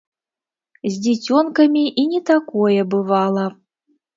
З дзіцёнкамі і не такое бывала!